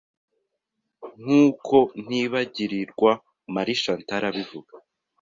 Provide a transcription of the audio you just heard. nk’uko Ntibagirirwa Marie Chantal abivuga